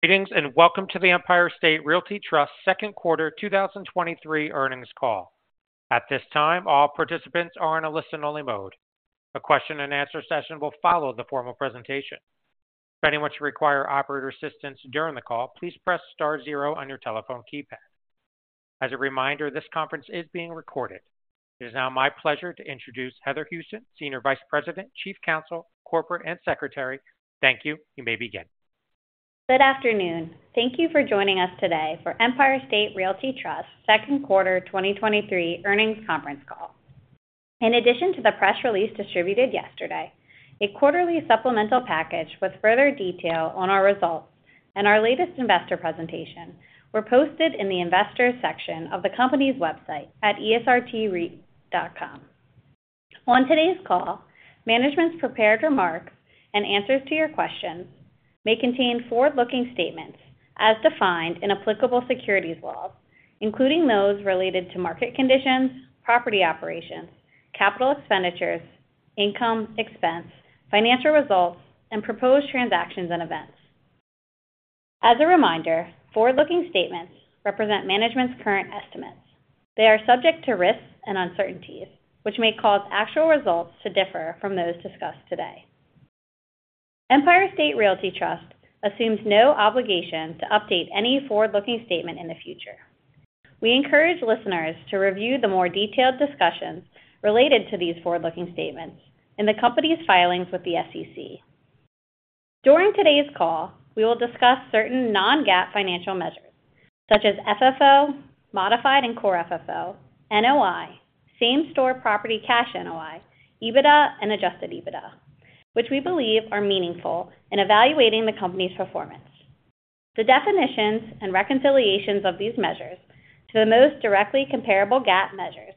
Greetings, welcome to the Empire State Realty Trust second quarter 2023 earnings call. At this time, all participants are in a listen-only mode. A question and answer session will follow the formal presentation. If anyone should require operator assistance during the call, please press star zero on your telephone keypad. As a reminder, this conference is being recorded. It is now my pleasure to introduce Heather Houston, Senior Vice President, Chief Counsel, Corporate, and Secretary. Thank you. You may begin. Good afternoon. Thank you for joining us today for Empire State Realty Trust second quarter 2023 earnings conference call. In addition to the press release distributed yesterday, a quarterly supplemental package with further detail on our results and our latest investor presentation were posted in the investors section of the company's website at esrtreit.com. On today's call, management's prepared remarks and answers to your questions may contain forward-looking statements as defined in applicable securities laws, including those related to market conditions, property operations, capital expenditures, income, expense, financial results, and proposed transactions and events. As a reminder, forward-looking statements represent management's current estimates. They are subject to risks and uncertainties, which may cause actual results to differ from those discussed today. Empire State Realty Trust assumes no obligation to update any forward-looking statement in the future. We encourage listeners to review the more detailed discussions related to these forward-looking statements in the company's filings with the SEC. During today's call, we will discuss certain non-GAAP financial measures, such as FFO, modified and Core FFO, NOI, Same-Store Property Cash NOI, EBITDA and adjusted EBITDA, which we believe are meaningful in evaluating the company's performance. The definitions and reconciliations of these measures to the most directly comparable GAAP measures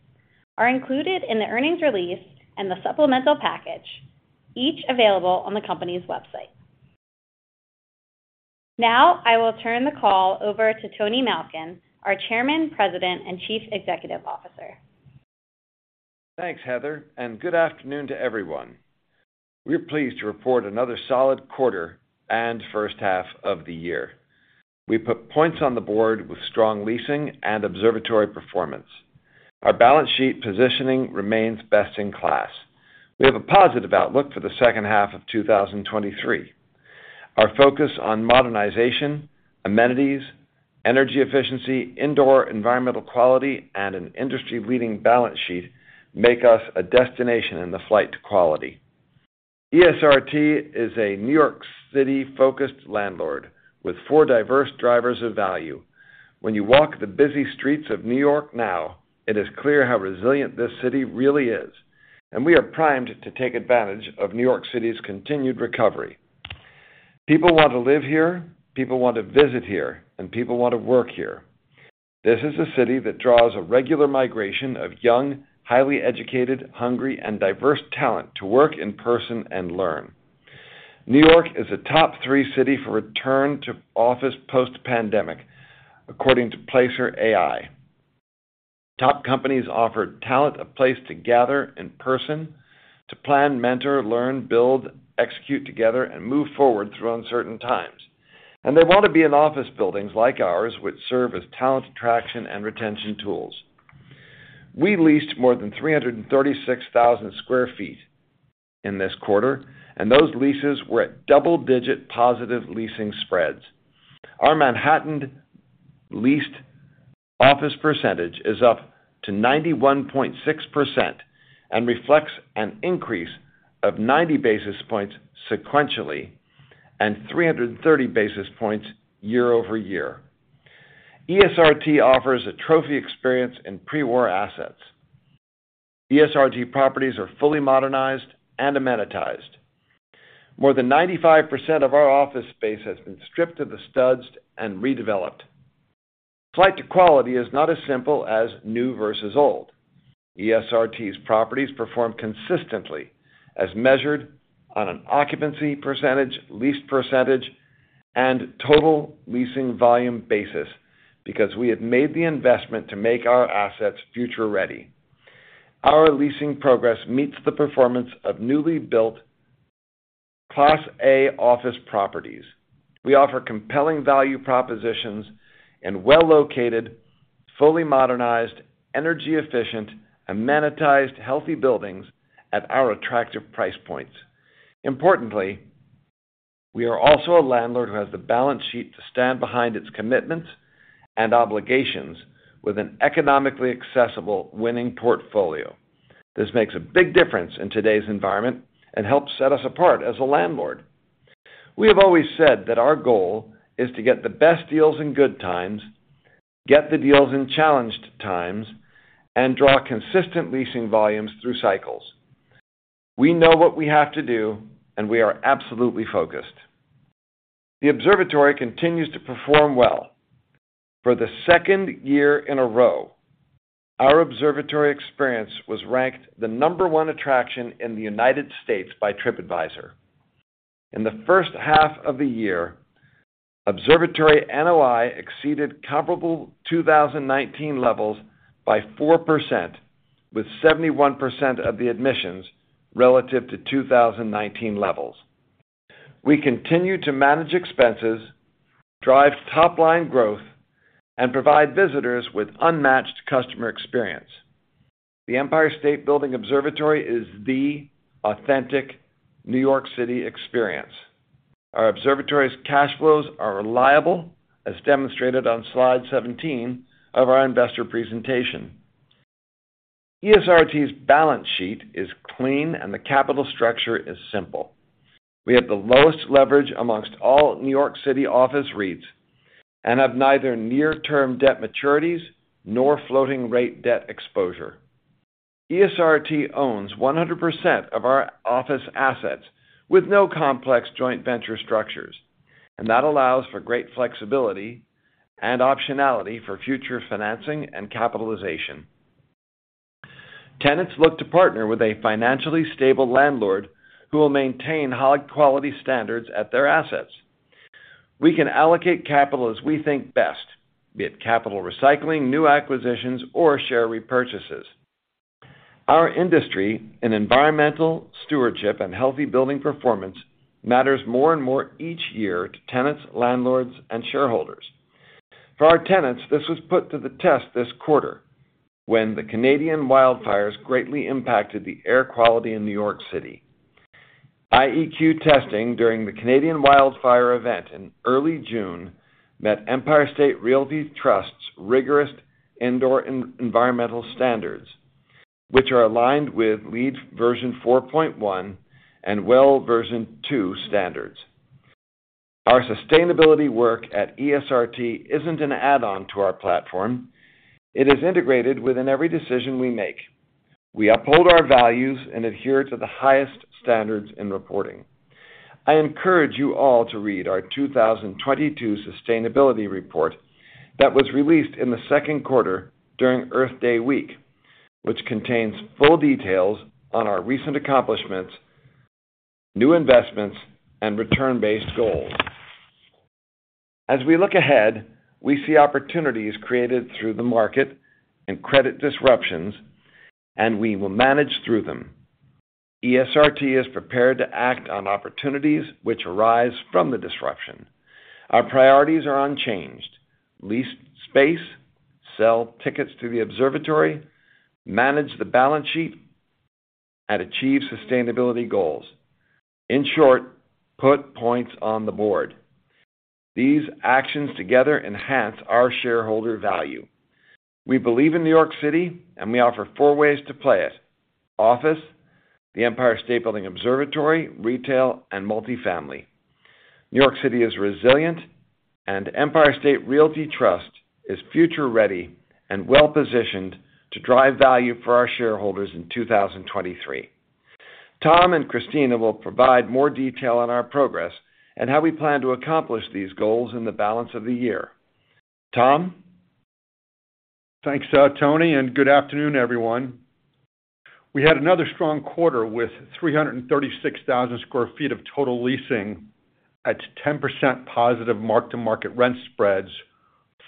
are included in the earnings release and the supplemental package, each available on the company's website. Now, I will turn the call over to Tony Malkin, our Chairman, President, and Chief Executive Officer. Thanks, Heather. Good afternoon to everyone. We're pleased to report another solid quarter and first half of the year. We put points on the board with strong leasing and observatory performance. Our balance sheet positioning remains best in class. We have a positive outlook for the second half of 2023. Our focus on modernization, amenities, energy efficiency, indoor environmental quality, and an industry-leading balance sheet make us a destination in the flight to quality. ESRT is a New York City-focused landlord with four diverse drivers of value. When you walk the busy streets of New York now, it is clear how resilient this city really is. We are primed to take advantage of New York City's continued recovery. People want to live here, people want to visit here, people want to work here. This is a city that draws a regular migration of young, highly educated, hungry, and diverse talent to work in person and learn. New York is a top three city for return to office post-pandemic, according to Placer.ai. Top companies offer talent, a place to gather in person, to plan, mentor, learn, build, execute together, and move forward through uncertain times. They want to be in office buildings like ours, which serve as talent attraction and retention tools. We leased more than 336,000 sq ft in this quarter, and those leases were at double-digit positive leasing spreads. Our Manhattan leased office percentage is up to 91.6% and reflects an increase of 90 basis points sequentially and 330 basis points year-over-year. ESRT offers a trophy experience in pre-war assets. ESRT properties are fully modernized and amenitized. More than 95% of our office space has been stripped to the studs and redeveloped. Flight to quality is not as simple as new versus old. ESRT's properties perform consistently as measured on an occupancy percentage, leased percentage, and total leasing volume basis, because we have made the investment to make our assets future-ready. Our leasing progress meets the performance of newly built Class A office properties. We offer compelling value propositions and well-located, fully modernized, energy-efficient, amenitized, healthy buildings at our attractive price points. Importantly, we are also a landlord who has the balance sheet to stand behind its commitments and obligations with an economically accessible, winning portfolio. This makes a big difference in today's environment and helps set us apart as a landlord. We have always said that our goal is to get the best deals in good times, get the deals in challenged times, and draw consistent leasing volumes through cycles. We know what we have to do, and we are absolutely focused. The Observatory continues to perform well. For the second year in a row, our Observatory experience was ranked the number one attraction in the United States by Tripadvisor. In the first half of the year, Observatory NOI exceeded comparable 2019 levels by 4%. With 71% of the admissions relative to 2019 levels. We continue to manage expenses, drive top-line growth, and provide visitors with unmatched customer experience. The Empire State Building Observatory is the authentic New York City experience. Our observatory's cash flows are reliable, as demonstrated on slide 17 of our investor presentation. ESRT's balance sheet is clean, and the capital structure is simple. We have the lowest leverage amongst all New York City office REITs, and have neither near-term debt maturities nor floating rate debt exposure. ESRT owns 100% of our office assets with no complex joint venture structures, and that allows for great flexibility and optionality for future financing and capitalization. Tenants look to partner with a financially stable landlord who will maintain high quality standards at their assets. We can allocate capital as we think best, be it capital recycling, new acquisitions, or share repurchases. Our industry in environmental stewardship and healthy building performance matters more and more each year to tenants, landlords, and shareholders. For our tenants, this was put to the test this quarter when the Canadian wildfires greatly impacted the air quality in New York City. IEQ testing during the Canadian wildfire event in early June, met Empire State Realty Trust's rigorous indoor environmental standards, which are aligned with LEED v4.1 and WELL v2 standards. Our sustainability work at ESRT isn't an add-on to our platform; it is integrated within every decision we make. We uphold our values and adhere to the highest standards in reporting. I encourage you all to read our 2022 sustainability report that was released in the second quarter during Earth Day week, which contains full details on our recent accomplishments, new investments, and return-based goals. As we look ahead, we see opportunities created through the market and credit disruptions, and we will manage through them. ESRT is prepared to act on opportunities which arise from the disruption. Our priorities are unchanged: lease space, sell tickets to the observatory, manage the balance sheet, and achieve sustainability goals. In short, put points on the board. These actions together enhance our shareholder value. We believe in New York City, we offer four ways to play it: office, the Empire State Building Observatory, retail, and multifamily. New York City is resilient, Empire State Realty Trust is future-ready and well-positioned to drive value for our shareholders in 2023. Tom and Christina will provide more detail on our progress and how we plan to accomplish these goals in the balance of the year. Tom? Thanks, Tony, and good afternoon, everyone. We had another strong quarter with 336,000 sq ft of total leasing at 10% positive mark-to-market rent spreads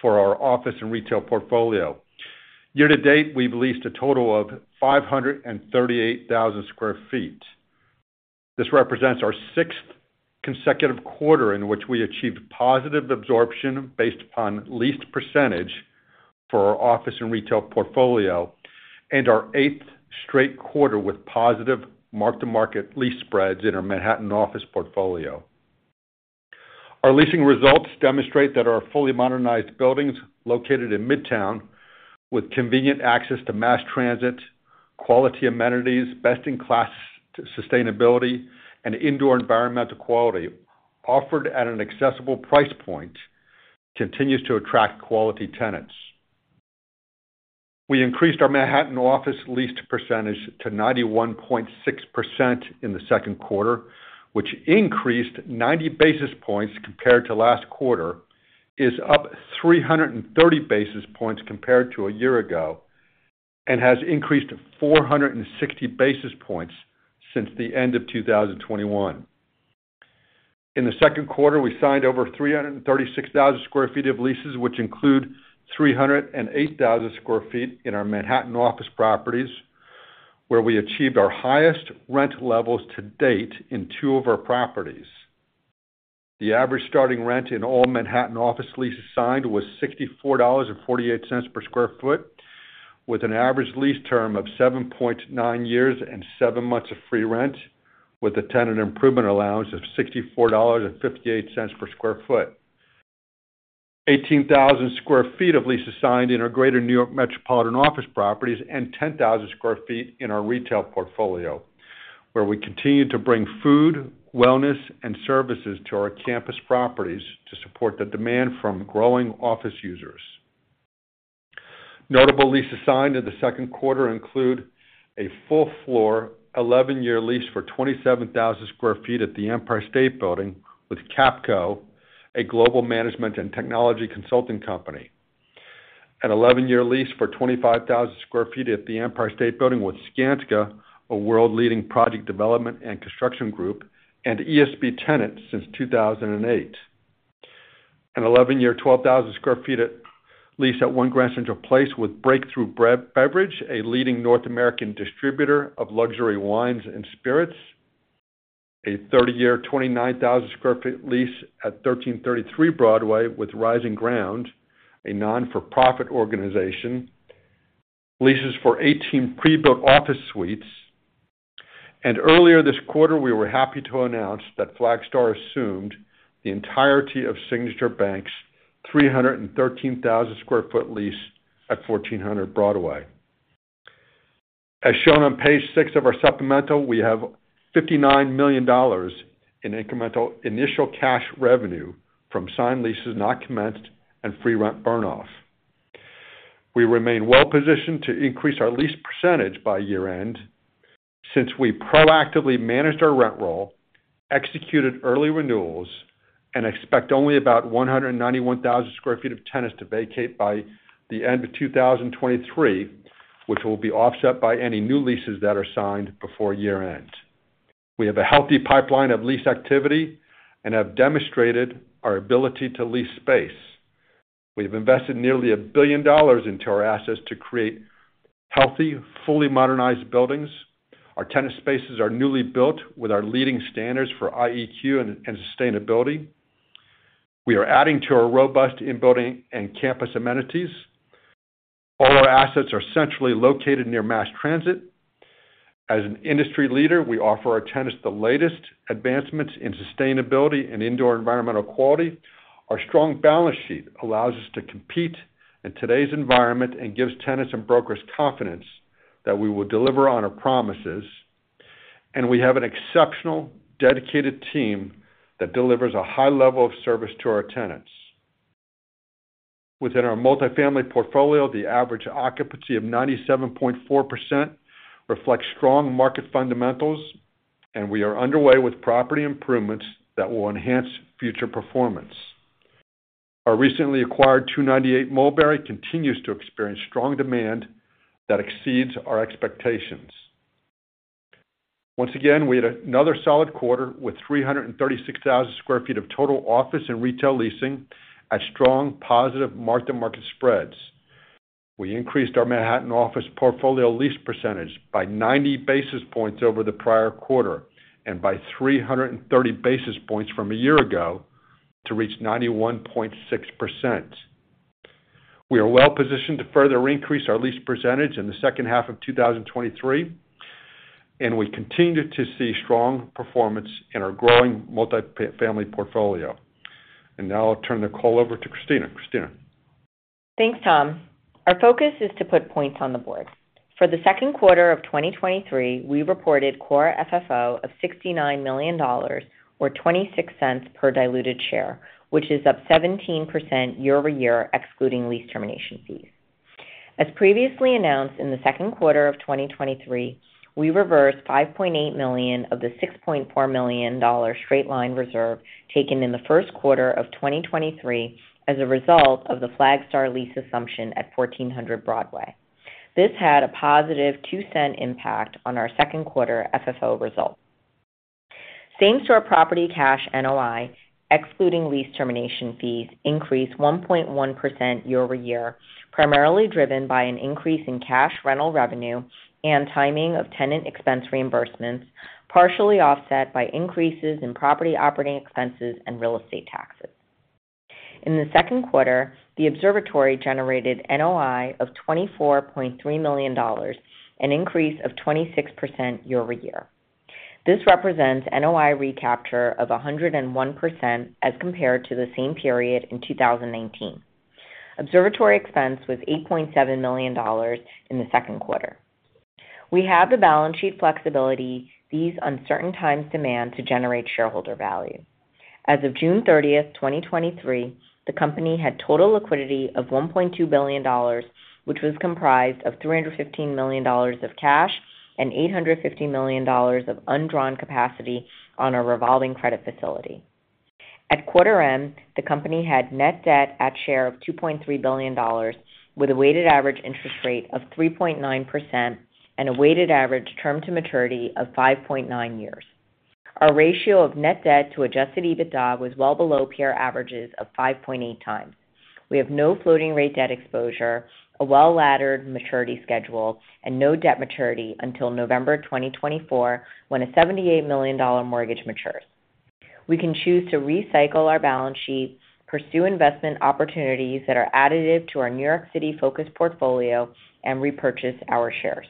for our office and retail portfolio. Year-to-date, we've leased a total of 538,000 sq ft. This represents our sixth consecutive quarter in which we achieved positive absorption based upon leased percentage for our office and retail portfolio, and our eighth straight quarter with positive mark-to-market lease spreads in our Manhattan office portfolio. Our leasing results demonstrate that our fully modernized buildings, located in Midtown, with convenient access to mass transit, quality amenities, best-in-class sustainability, and indoor environmental quality, offered at an accessible price point, continues to attract quality tenants. We increased our Manhattan office leased percentage to 91.6% in the second quarter, which increased 90 basis points compared to last quarter, is up 330 basis points compared to a year ago, and has increased 460 basis points since the end of 2021. In the second quarter, we signed over 336,000 sq ft of leases, which include 308,000 sq ft in our Manhattan office properties, where we achieved our highest rent levels to date in two of our properties. The average starting rent in all Manhattan office leases signed was $64.48 per sq ft, with an average lease term of 7.9 years and seven months of free rent, with a tenant improvement allowance of $64.58 per sq ft. 18,000 sq ft of leases signed in our Greater New York Metropolitan office properties and 10,000 sq ft in our retail portfolio, where we continue to bring food, wellness, and services to our campus properties to support the demand from growing office users. Notable leases signed in the second quarter include a full floor, 11-year lease for 27,000 sq ft at the Empire State Building with Capco, a global management and technology consulting company. An 11-year lease for 25,000 sq ft at the Empire State Building with Skanska, a world-leading project development and construction group, and ESB tenant since 2008. An 11-year, 12,000 sq ft at lease at One Grand Central Place with Breakthru Beverage Group, a leading North American distributor of luxury wines and spirits. A 30-year, 29,000 sq ft lease at 1333 Broadway with Rising Ground, a non-for-profit organization. Leases for 18 pre-built office suites. Earlier this quarter, we were happy to announce that Flagstar assumed the entirety of Signature Bank's 313,000 sq ft lease at 1400 Broadway. As shown on page six of our supplemental, we have $59 million in incremental initial cash revenue from signed leases not commenced and free rent burn off. We remain well-positioned to increase our lease percentage by year-end, since we proactively managed our rent roll, executed early renewals, and expect only about 191,000 sq ft of tenants to vacate by the end of 2023, which will be offset by any new leases that are signed before year-end. We have a healthy pipeline of lease activity and have demonstrated our ability to lease space. We've invested nearly $1 billion into our assets to create healthy, fully modernized buildings. Our tenant spaces are newly built with our leading standards for IEQ and sustainability. We are adding to our robust in-building and campus amenities. All our assets are centrally located near mass transit. As an industry leader, we offer our tenants the latest advancements in sustainability and indoor environmental quality. Our strong balance sheet allows us to compete in today's environment and gives tenants and brokers confidence that we will deliver on our promises, and we have an exceptional, dedicated team that delivers a high level of service to our tenants. Within our multifamily portfolio, the average occupancy of 97.4% reflects strong market fundamentals. We are underway with property improvements that will enhance future performance. Our recently acquired 298 Mulberry continues to experience strong demand that exceeds our expectations. Once again, we had another solid quarter with 336,000 sq ft of total office and retail leasing at strong positive mark-to-market spreads. We increased our Manhattan office portfolio lease percentage by 90 basis points over the prior quarter and by 330 basis points from a year ago to reach 91.6%. We are well positioned to further increase our lease percentage in the second half of 2023. We continue to see strong performance in our growing multifamily portfolio. Now I'll turn the call over to Christina. Christina? Thanks, Tom. Our focus is to put points on the board. For the second quarter of 2023, we reported Core FFO of $69 million or $0.26 per diluted share, which is up 17% year-over-year, excluding lease termination fees. As previously announced, in the second quarter of 2023, we reversed $5.8 million of the $6.4 million straight-line reserve taken in the first quarter of 2023 as a result of the Flagstar lease assumption at 1400 Broadway. This had a positive $0.02 impact on our second quarter FFO results. Same-Store Property Cash NOI, excluding lease termination fees, increased 1.1% year-over-year, primarily driven by an increase in cash rental revenue and timing of tenant expense reimbursements, partially offset by increases in property operating expenses and real estate taxes. In the second quarter, the Observatory generated NOI of $24.3 million, an increase of 26% year-over-year. This represents NOI recapture of 101% as compared to the same period in 2019. Observatory expense was $8.7 million in the second quarter. We have the balance sheet flexibility these uncertain times demand to generate shareholder value. As of June 30th, 2023, the company had total liquidity of $1.2 billion, which was comprised of $315 million of cash and $850 million of undrawn capacity on our revolving credit facility. At quarter end, the company had net debt at share of $2.3 billion, with a weighted average interest rate of 3.9% and a weighted average term to maturity of 5.9 years. Our ratio of net debt to adjusted EBITDA was well below peer averages of 5.8 times. We have no floating rate debt exposure, a well-laddered maturity schedule, and no debt maturity until November 2024, when a $78 million mortgage matures. We can choose to recycle our balance sheets, pursue investment opportunities that are additive to our New York City-focused portfolio, and repurchase our shares.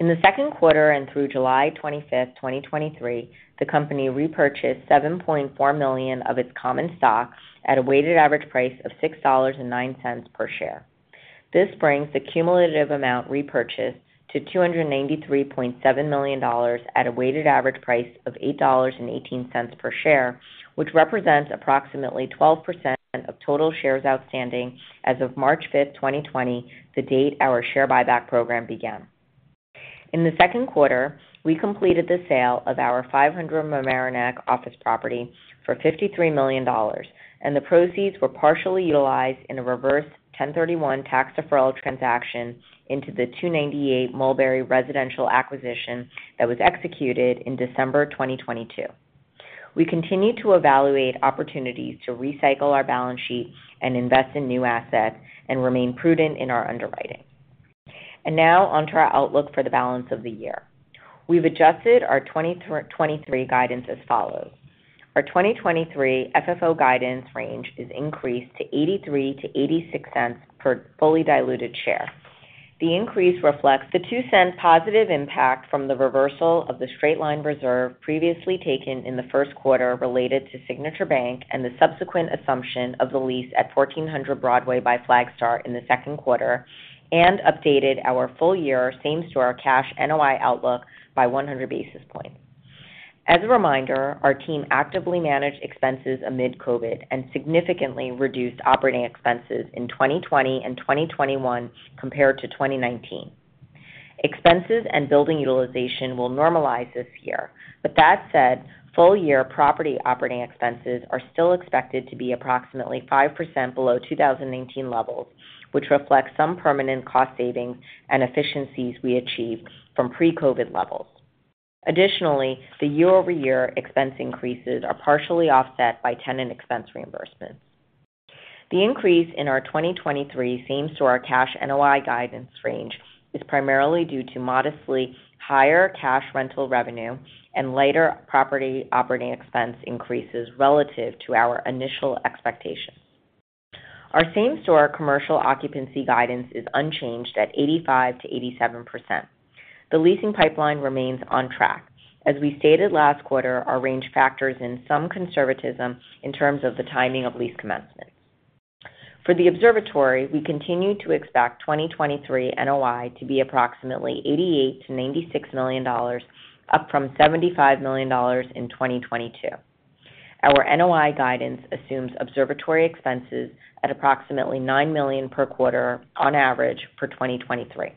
In the second quarter and through July 25, 2023, the company repurchased $7.4 million of its common stock at a weighted average price of $6.09 per share. This brings the cumulative amount repurchased to $293.7 million at a weighted average price of $8.18 per share, which represents approximately 12% of total shares outstanding as of March 5, 2020, the date our share buyback program began. In the second quarter, we completed the sale of our 500 Mamaroneck office property for $53 million, and the proceeds were partially utilized in a reverse 1031 tax deferral transaction into the 298 Mulberry residential acquisition that was executed in December 2022. We continue to evaluate opportunities to recycle our balance sheet and invest in new assets and remain prudent in our underwriting. Now on to our outlook for the balance of the year. We've adjusted our 2023 guidance as follows: Our 2023 FFO guidance range is increased to $0.83-$0.86 per fully diluted share. The increase reflects the $0.02 positive impact from the reversal of the straight-line reserve previously taken in the first quarter related to Signature Bank and the subsequent assumption of the lease at 1400 Broadway by Flagstar in the second quarter and updated our full year Same-Store Property Cash NOI outlook by 100 basis points. As a reminder, our team actively managed expenses amid COVID and significantly reduced operating expenses in 2020 and 2021 compared to 2019. Expenses and building utilization will normalize this year. With that said, full year property operating expenses are still expected to be approximately 5% below 2018 levels, which reflects some permanent cost savings and efficiencies we achieved from pre-COVID levels. The year-over-year expense increases are partially offset by tenant expense reimbursements. The increase in our 2023 same-store cash NOI guidance range is primarily due to modestly higher cash rental revenue and lighter property operating expense increases relative to our initial expectations. Our same-store commercial occupancy guidance is unchanged at 85%-87%. The leasing pipeline remains on track. As we stated last quarter, our range factors in some conservatism in terms of the timing of lease commencement. For the observatory, we continue to expect 2023 NOI to be approximately $88 million-$96 million, up from $75 million in 2022. Our NOI guidance assumes observatory expenses at approximately $9 million per quarter on average for 2023.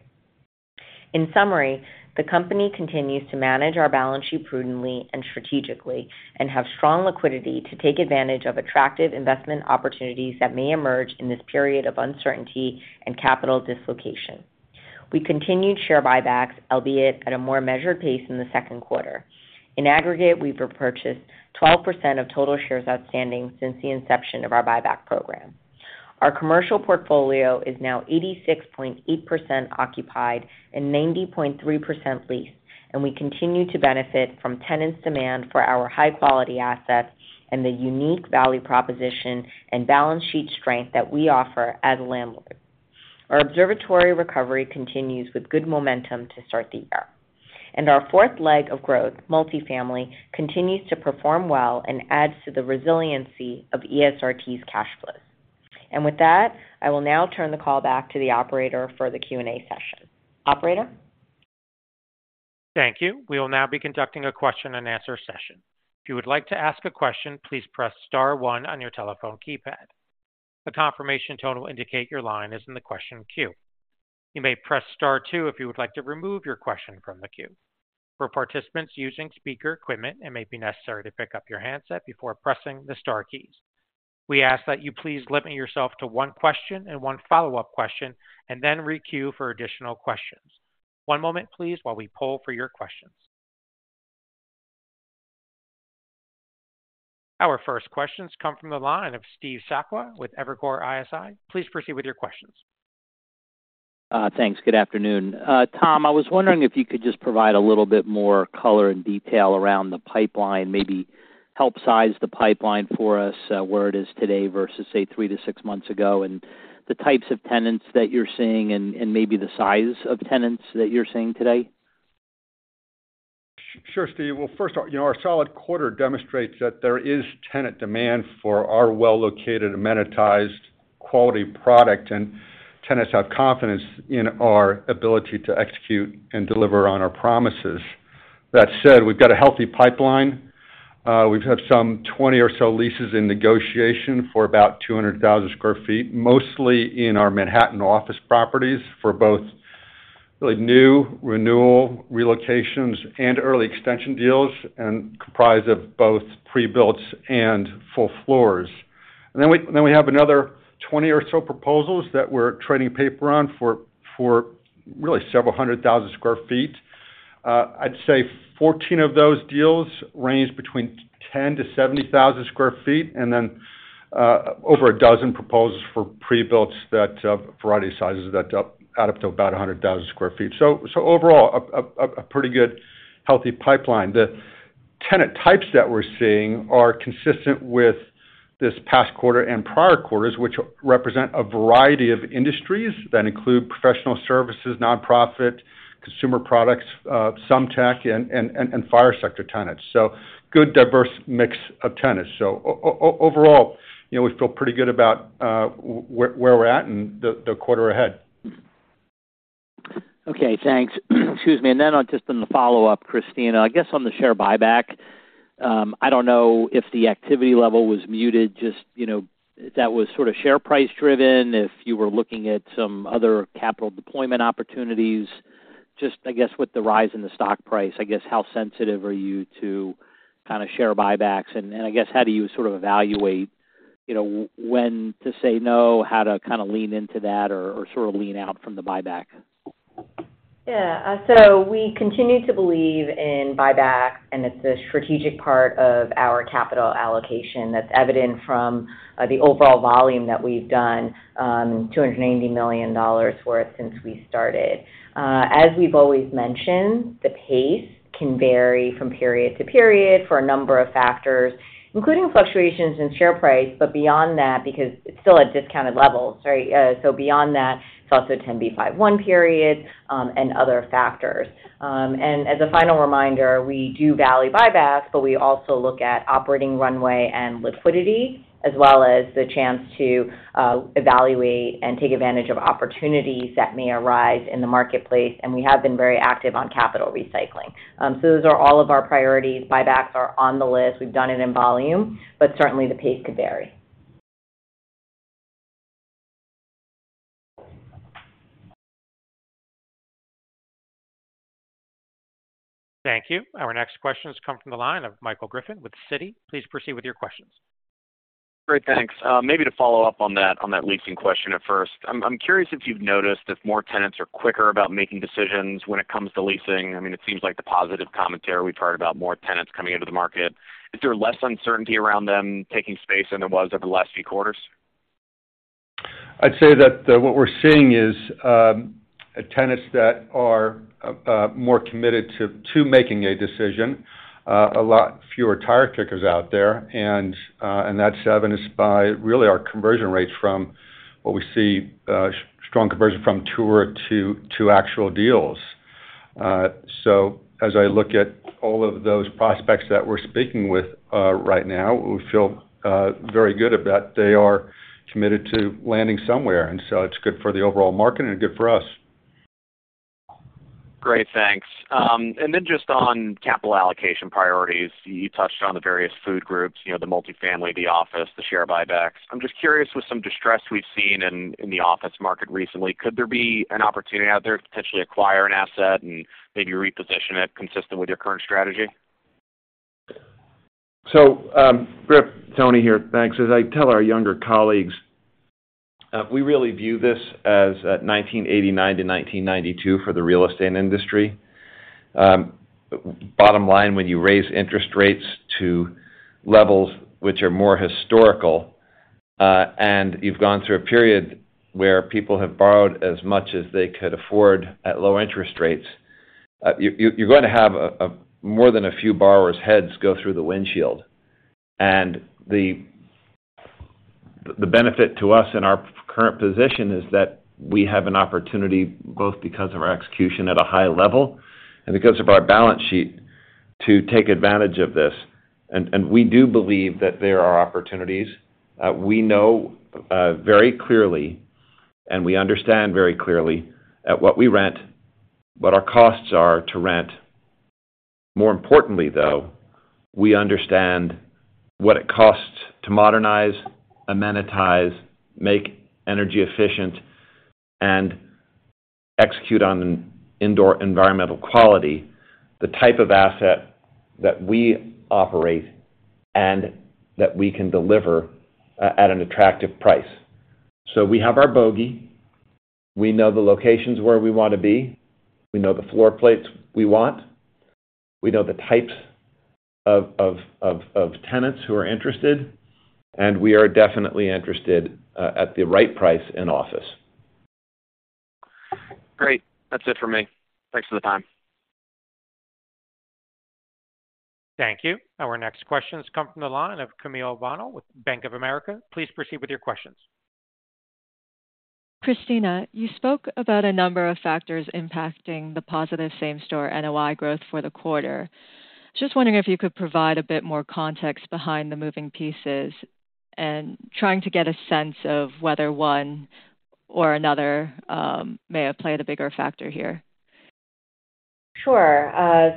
In summary, the company continues to manage our balance sheet prudently and strategically and have strong liquidity to take advantage of attractive investment opportunities that may emerge in this period of uncertainty and capital dislocation. We continued share buybacks, albeit at a more measured pace in the second quarter. In aggregate, we've repurchased 12% of total shares outstanding since the inception of our buyback program. Our commercial portfolio is now 86.8% occupied and 90.3% leased, and we continue to benefit from tenants' demand for our high-quality assets and the unique value proposition and balance sheet strength that we offer as a landlord. Our observatory recovery continues with good momentum to start the year, and our fourth leg of growth, multifamily, continues to perform well and adds to the resiliency of ESRT's cash flow. With that, I will now turn the call back to the operator for the Q&A session. Operator? Thank you. We will now be conducting a question-and-answer session. If you would like to ask a question, please press star one on your telephone keypad. A confirmation tone will indicate your line is in the question queue. You may press Star two if you would like to remove your question from the queue. For participants using speaker equipment, it may be necessary to pick up your handset before pressing the star keys. We ask that you please limit yourself to one question and one follow-up question, and then re-queue for additional questions. One moment, please, while we poll for your questions. Our first questions come from the line of Steve Sakwa with Evercore ISI. Please proceed with your questions. Thanks. Good afternoon. Tom, I was wondering if you could just provide a little bit more color and detail around the pipeline, maybe help size the pipeline for us, where it is today versus, say, three to six months ago, and the types of tenants that you're seeing and maybe the size of tenants that you're seeing today. Sure, Steve. Well, first off, you know, our solid quarter demonstrates that there is tenant demand for our well-located, amenitized quality product, and tenants have confidence in our ability to execute and deliver on our promises. That said, we've got a healthy pipeline. We've had some 20 or so leases in negotiation for about 200,000 sq ft, mostly in our Manhattan office properties for both really new renewal relocations and early extension deals and comprised of both prebuilts and full floors. Then we have another 20 or so proposals that we're trading paper on for really several hundred thousand square feet. I'd say 14 of those deals range between 10,000 sq ft-70,000 sq ft, and then over a dozen proposals for prebuilts that variety of sizes that add up to about 100,000 sq ft. Overall, a pretty good healthy pipeline. The tenant types that we're seeing are consistent with this past quarter and prior quarters, which represent a variety of industries that include professional services, nonprofit, consumer products, some tech and FIRE sector tenants. Good, diverse mix of tenants. Overall, you know, we feel pretty good about where we're at and the quarter ahead. Okay, thanks. Excuse me. Just on the follow-up, Christina, I guess on the share buyback, I don't know if the activity level was muted, just, you know, if that was sort of share price driven, if you were looking at some other capital deployment opportunities. Just I guess with the rise in the stock price, I guess how sensitive are you to kind of share buybacks? I guess how do you sort of evaluate, you know, when to say no, how to kind of lean into that or, or sort of lean out from the buyback? Yeah, we continue to believe in buybacks, and it's a strategic part of our capital allocation that's evident from the overall volume that we've done, $290 million worth since we started. As we've always mentioned, the pace can vary from period to period for a number of factors, including fluctuations in share price, but beyond that, because it's still at discounted levels, right? Beyond that, it's also 10b5-1 periods, and other factors. As a final reminder, we do value buybacks, but we also look at operating runway and liquidity, as well as the chance to evaluate and take advantage of opportunities that may arise in the marketplace, and we have been very active on capital recycling. Those are all of our priorities. Buybacks are on the list. We've done it in volume, but certainly, the pace could vary. Thank you. Our next question has come from the line of Michael Griffin with Citi. Please proceed with your questions. Great. Thanks. Maybe to follow up on that leasing question at first. I'm curious if you've noticed if more tenants are quicker about making decisions when it comes to leasing. I mean, it seems like the positive commentary we've heard about more tenants coming into the market. Is there less uncertainty around them taking space than there was over the last few quarters? I'd say that what we're seeing is tenants that are more committed to making a decision, a lot fewer tire kickers out there. That's evidenced by really our conversion rates from what we see, strong conversion from tour to actual deals. As I look at all of those prospects that we're speaking with, right now, we feel very good about they are committed to landing somewhere, it's good for the overall market and good for us. Great, thanks. Then just on capital allocation priorities, you touched on the various food groups, you know, the multifamily, the office, the share buybacks. I'm just curious, with some distress we've seen in the office market recently, could there be an opportunity out there to potentially acquire an asset and maybe reposition it consistent with your current strategy? Griff, Tony here. Thanks. As I tell our younger colleagues, we really view this as 1989-1992 for the real estate industry. Bottom line, when you raise interest rates to levels which are more historical, and you've gone through a period where people have borrowed as much as they could afford at low interest rates, you're going to have a more than a few borrowers' heads go through the windshield. The benefit to us in our current position is that we have an opportunity, both because of our execution at a high level and because of our balance sheet, to take advantage of this. We do believe that there are opportunities. We know very clearly, and we understand very clearly at what we rent, what our costs are to rent. More importantly, though, we understand what it costs to modernize, amenitize, make energy efficient, and execute on indoor environmental quality, the type of asset that we operate and that we can deliver at an attractive price. We have our bogey. We know the locations where we want to be. We know the floor plates we want. We know the types of tenants who are interested. We are definitely interested at the right price, in office. Great. That's it for me. Thanks for the time. Thank you. Our next question has come from the line of Camille Bonnel with Bank of America. Please proceed with your questions. Christina, you spoke about a number of factors impacting the positive same-store NOI growth for the quarter. Just wondering if you could provide a bit more context behind the moving pieces and trying to get a sense of whether one or another may have played a bigger factor here. Sure.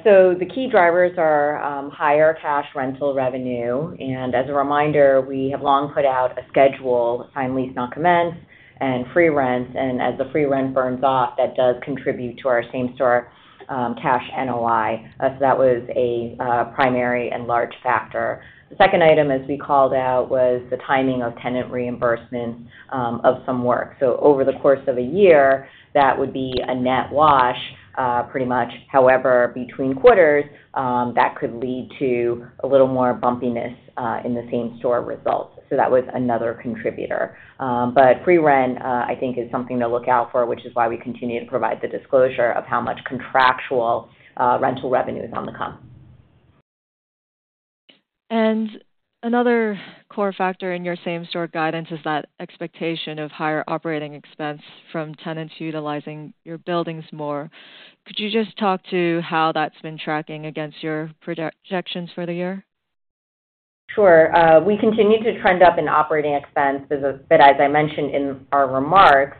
The key drivers are higher cash rental revenue, and as a reminder, we have long put out a schedule, time lease now commence, and free rents, and as the free rent burns off, that does contribute to our same-store cash NOI. That was a primary and large factor. The second item, as we called out, was the timing of tenant reimbursement of some work. Over the course of a year, that would be a net wash pretty much. Between quarters, that could lead to a little more bumpiness in the same-store results. That was another contributor. Free rent, I think, is something to look out for, which is why we continue to provide the disclosure of how much contractual rental revenue is on the come. Another core factor in your same-store guidance is that expectation of higher operating expense from tenants utilizing your buildings more. Could you just talk to how that's been tracking against your projections for the year? Sure. As I mentioned in our remarks,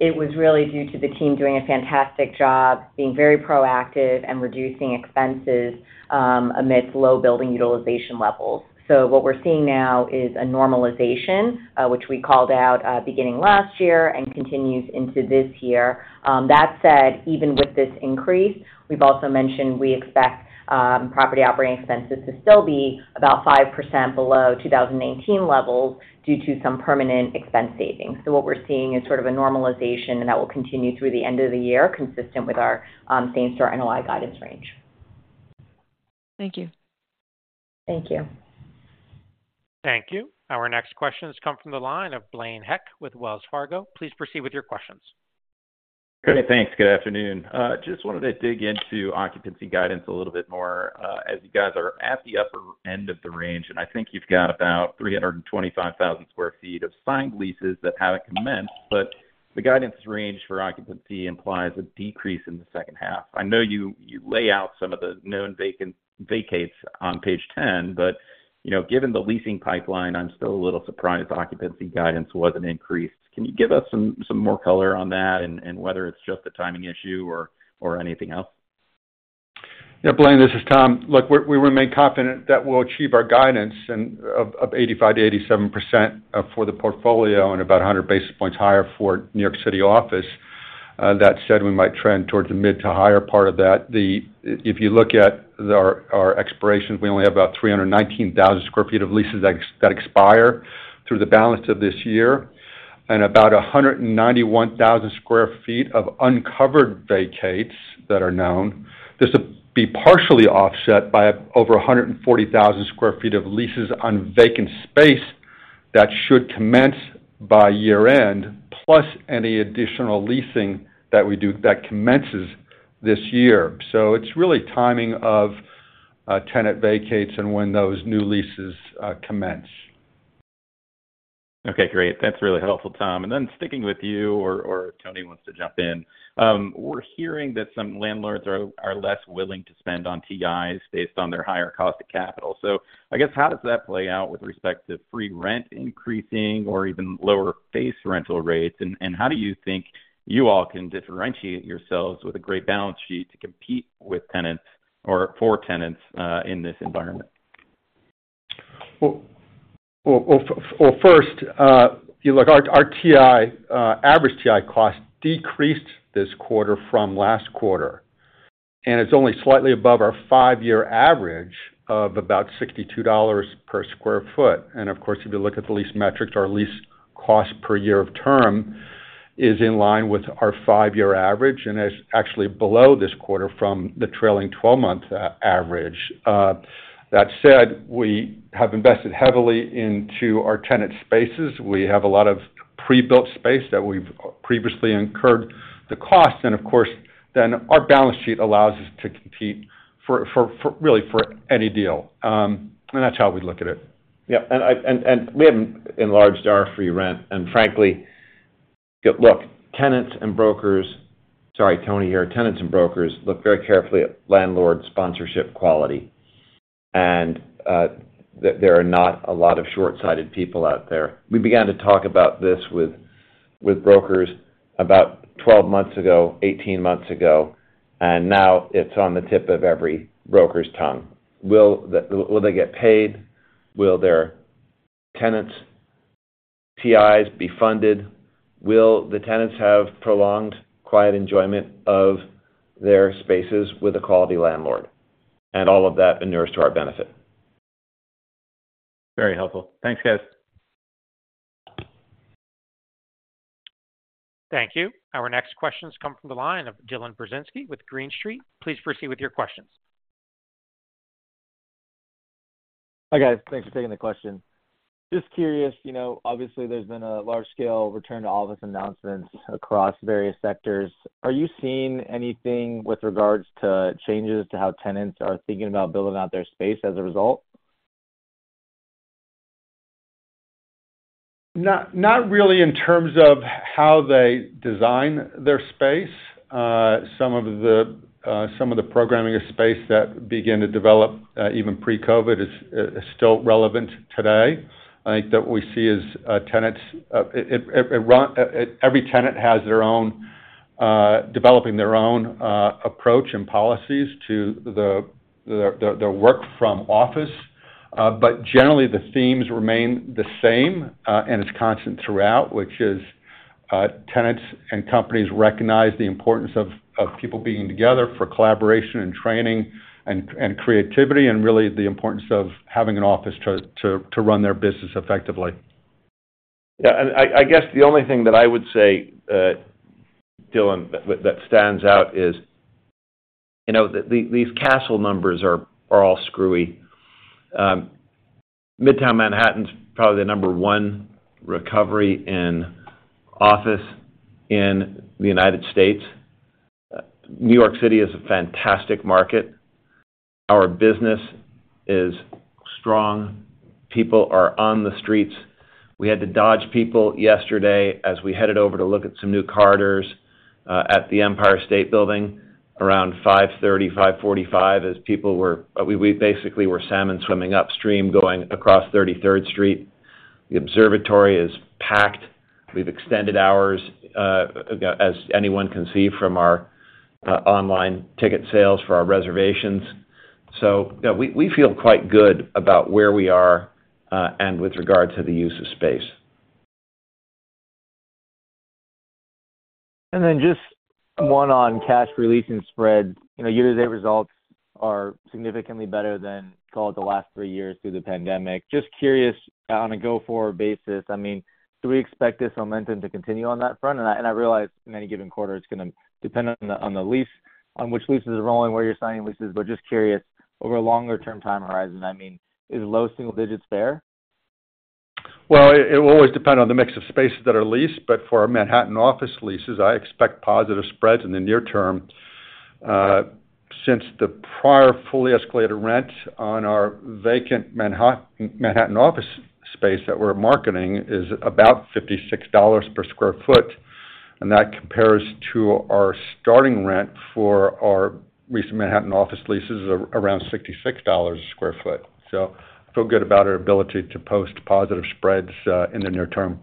it was really due to the team doing a fantastic job, being very proactive and reducing expenses amidst low building utilization levels. What we're seeing now is a normalization, which we called out beginning last year and continues into this year. That said, even with this increase, we've also mentioned we expect property operating expenses to still be about 5% below 2018 levels due to some permanent expense savings. What we're seeing is sort of a normalization, and that will continue through the end of the year, consistent with our same-store NOI guidance range. Thank you. Thank you. Thank you. Our next question has come from the line of Blaine Heck with Wells Fargo. Please proceed with your questions. Okay, thanks. Good afternoon. Just wanted to dig into occupancy guidance a little bit more, as you guys are at the upper end of the range, and I think you've got about 325,000 sq ft of signed leases that haven't commenced. The guidance range for occupancy implies a decrease in the second half. I know you, you lay out some of the known vacates on page 10, you know, given the leasing pipeline, I'm still a little surprised occupancy guidance wasn't increased. Can you give us some more color on that and whether it's just a timing issue or anything else? Blaine, this is Tom. Look, we remain confident that we'll achieve our guidance of 85%-87% for the portfolio and about 100 basis points higher for New York City office. That said, we might trend towards the mid to higher part of that. If you look at our expirations, we only have about 319,000 sq ft of leases that expire through the balance of this year and about 191,000 sq ft of uncovered vacates that are known. This will be partially offset by over 140,000 sq ft of leases on vacant space that should commence by year-end, plus any additional leasing that we do that commences this year. It's really timing of tenant vacates and when those new leases commence. Okay, great. That's really helpful, Tom. Then sticking with you or Tony wants to jump in. We're hearing that some landlords are less willing to spend on TIs based on their higher cost of capital. I guess, how does that play out with respect to free rent increasing or even lower base rental rates? How do you think you all can differentiate yourselves with a great balance sheet to compete with tenants or for tenants in this environment? Well, first, you look, our TI average TI cost decreased this quarter from last quarter, and it's only slightly above our five-year average of about $62 per sq ft. Of course, if you look at the lease metrics, our lease cost per year of term is in line with our five-year average, and it's actually below this quarter from the trailing 12-month average. That said, we have invested heavily into our tenant spaces. We have a lot of pre-built space that we've previously incurred the cost, and of course, then our balance sheet allows us to compete for really, for any deal. That's how we look at it. We haven't enlarged our free rent. Look, tenants and brokers. Sorry, Tony here. Tenants and brokers look very carefully at landlord sponsorship quality, there are not a lot of short-sighted people out there. We began to talk about this with brokers about 12 months ago, 18 months ago, now it's on the tip of every broker's tongue. Will they get paid? Will their tenants' TIs be funded? Will the tenants have prolonged, quiet enjoyment of their spaces with a quality landlord? All of that inures to our benefit. Very helpful. Thanks, guys. Thank you. Our next questions come from the line of Dylan Burzinski with Green Street. Please proceed with your questions. Hi, guys. Thanks for taking the question. Just curious, you know, obviously there's been a large scale return to office announcements across various sectors. Are you seeing anything with regards to changes to how tenants are thinking about building out their space as a result? Not really in terms of how they design their space. Some of the programming of space that began to develop even pre-COVID is still relevant today. I think that what we see is tenants, every tenant has their own developing their own approach and policies to their work from office. But generally, the themes remain the same, and it's constant throughout, which is tenants and companies recognize the importance of people being together for collaboration and training and creativity, and really, the importance of having an office to run their business effectively. I guess the only thing that I would say, Dylan, that stands out is, you know, these Kastle numbers are all screwy. Midtown Manhattan's probably the number one recovery in office in the United States. New York City is a fantastic market. Our business is strong. People are on the streets. We had to dodge people yesterday as we headed over to look at some new corridors at the Empire State Building, around 5:30 P.M., 5:45 P.M, we basically were salmon swimming upstream, going across 33rd Street. The observatory is packed. We've extended hours, as anyone can see from our online ticket sales for our reservations. You know, we feel quite good about where we are with regard to the use of space. Just one on cash release and spread. You know, year-to-date results are significantly better than call it the last three years through the pandemic. Just curious, on a go-forward basis, I mean, do we expect this momentum to continue on that front? I realize in any given quarter, it's gonna depend on the lease, on which leases are rolling, where you're signing leases. Just curious, over a longer-term time horizon, I mean, is low single digits there? Well, it will always depend on the mix of spaces that are leased, but for our Manhattan office leases, I expect positive spreads in the near term. Since the prior fully escalated rent on our vacant Manhattan office space that we're marketing is about $56 per sq ft, and that compares to our starting rent for our recent Manhattan office leases, around $66 sq ft. I feel good about our ability to post positive spreads in the near term.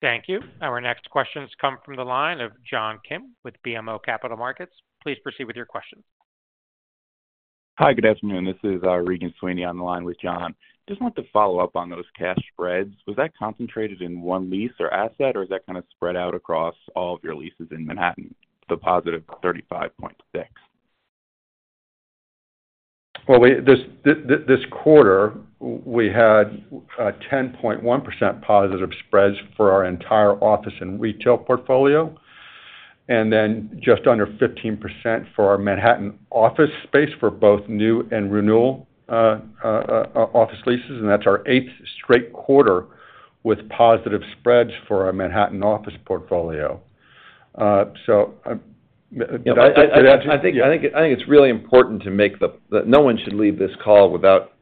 Thank you. Our next questions come from the line of John Kim with BMO Capital Markets. Please proceed with your question. Hi, good afternoon. This is Regan Sweeney on the line with John. Just wanted to follow up on those cash spreads. Was that concentrated in one lease or asset, or is that kind of spread out across all of your leases in Manhattan, the +35.6%? Well, we this quarter, we had 10.1%+ spreads for our entire office and retail portfolio, and then just under 15% for our Manhattan office space for both new and renewal office leases. That's our 8th straight quarter with positive spreads for our Manhattan office portfolio. Did that- I think it's really important to make that no one should leave this call without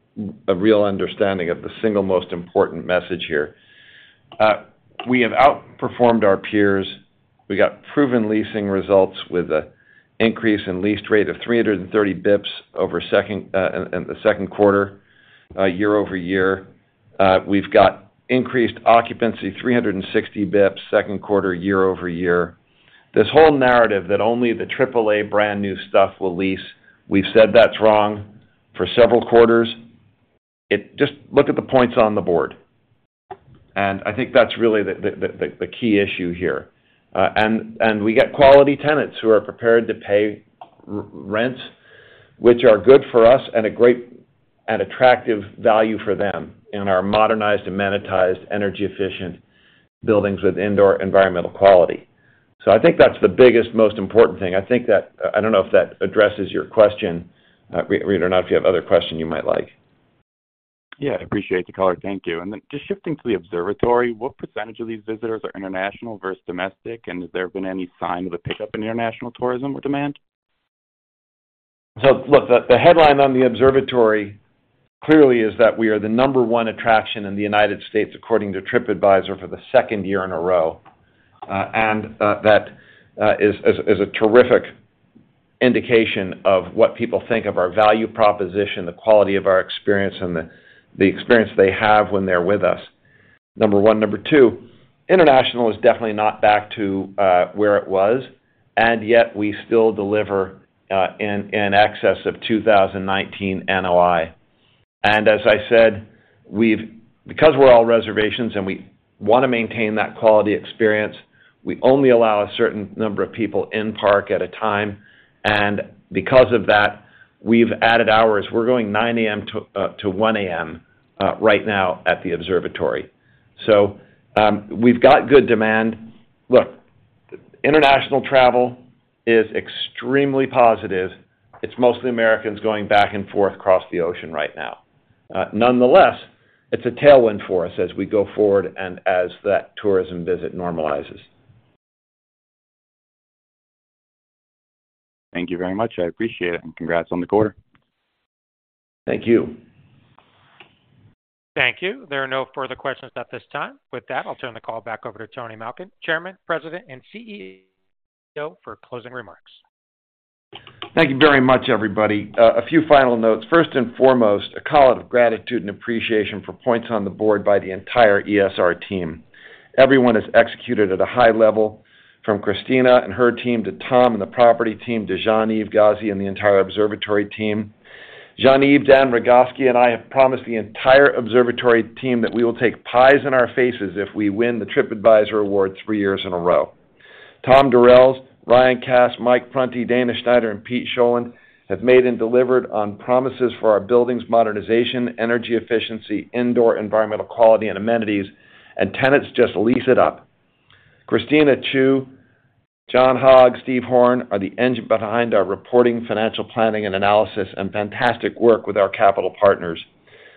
a real understanding of the single most important message here. We have outperformed our peers. We got proven leasing results with a increase in lease rate of 330 basis points over second, in the second quarter, year-over-year. We've got increased occupancy, 360 basis points, second quarter, year-over-year. This whole narrative that only the triple A brand-new stuff will lease, we've said that's wrong for several quarters. Just look at the points on the board, and I think that's really the key issue here. We get quality tenants who are prepared to pay rents, which are good for us and a great and attractive value for them in our modernized, amenitized, energy-efficient buildings with indoor environmental quality. I think that's the biggest, most important thing. I think I don't know if that addresses your question, Regan, or not. If you have other question, you might like. Yeah, I appreciate the color. Thank you. Just shifting to the observatory, what percent of these visitors are international versus domestic? Has there been any sign of a pickup in international tourism or demand? Look, the headline on the observatory clearly is that we are the number one attraction in the United States, according to Tripadvisor, for the second year in a row. And that is a terrific indication of what people think of our value proposition, the quality of our experience, and the experience they have when they're with us, number one. number two, international is definitely not back to where it was, and yet we still deliver in excess of 2019 NOI. And as I said, because we're all reservations and we wanna maintain that quality experience, we only allow a certain number of people in park at a time, and because of that, we've added hours. We're going 9:00 A.M.-1:00 A.M. right now at the observatory. We've got good demand. International travel is extremely positive. It's mostly Americans going back and forth across the ocean right now. Nonetheless, it's a tailwind for us as we go forward and as that tourism visit normalizes. Thank you very much. I appreciate it, and congrats on the quarter. Thank you. Thank you. There are no further questions at this time. With that, I'll turn the call back over to Tony Malkin, Chairman, President, and CEO, for closing remarks. Thank you very much, everybody. A few final notes. First and foremost, a call of gratitude and appreciation for points on the board by the entire ESRT team. Everyone has executed at a high level, from Christina and her team to Tom and the property team to Jean-Yves Ghazi and the entire observatory team. Jean-Yves, Dan Rogoski, and I have promised the entire observatory team that we will take pies in our faces if we win the Tripadvisor award three years in a row. Tom Durels, Ryan Kass, Mike Prunty, Dana Schneider, and Pete Sjolund have made and delivered on promises for our buildings' modernization, energy efficiency, indoor environmental quality, and amenities, and tenants just lease it up. Christina Chiu, John Hogg, Steve Horn are the engine behind our reporting, financial planning, and analysis, and fantastic work with our capital partners.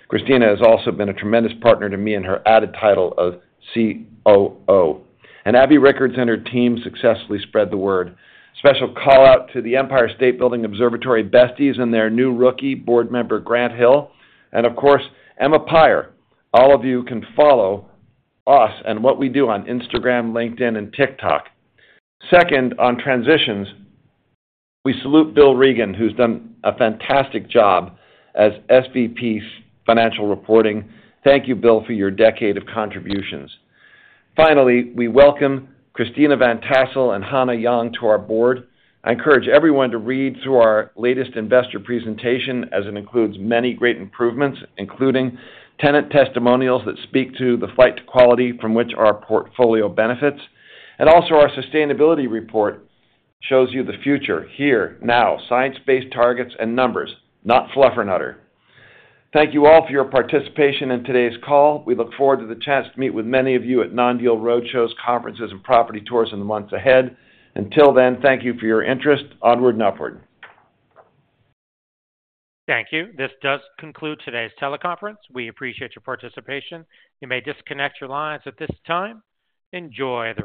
Christina has also been a tremendous partner to me in her added title of COO. Abby Rickards and her team successfully spread the word. Special call out to the Empire State Building Observatory besties and their new rookie, board member, Grant Hill, and of course, Emma Pire. All of you can follow us and what we do on Instagram, LinkedIn, and TikTok. Second, on transitions, we salute Bill Regan, who's done a fantastic job as SVP's Financial Reporting. Thank you, Bill, for your decade of contributions. Finally, we welcome Christina Van Tassel and Hannah Yang to our board. I encourage everyone to read through our latest investor presentation, as it includes many great improvements, including tenant testimonials that speak to the flight to quality from which our portfolio benefits. Also our sustainability report shows you the future here, now, science-based targets and numbers, not fluffernutter. Thank you all for your participation in today's call. We look forward to the chance to meet with many of you at non-deal road shows, conferences, and property tours in the months ahead. Until then, thank you for your interest. Onward and upward. Thank you. This does conclude today's teleconference. We appreciate your participation. You may disconnect your lines at this time. Enjoy the summer.